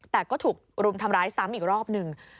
แต่ก็ถูกรุมทำร้ายซ้ำอีกรอบหนึ่ง